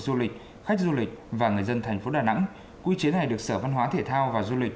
du lịch khách du lịch và người dân thành phố đà nẵng quy chế này được sở văn hóa thể thao và du lịch